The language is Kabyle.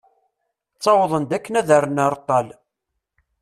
Ttawwḍen-d akken ad rren areṭṭal.